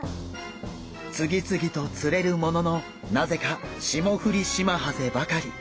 次々と釣れるもののなぜかシモフリシマハゼばかり。